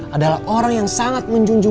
adalah orang yang sangat menjunjung